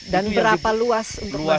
dan berapa luas